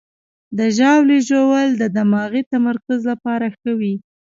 د ژاولې ژوول د دماغي تمرکز لپاره ښه وي.